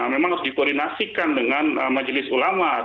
memang harus dikoordinasikan dengan majelis ulama